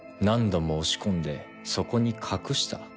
何度も押し込んでそこに隠した。